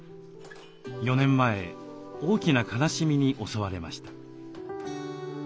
４年前大きな悲しみに襲われました。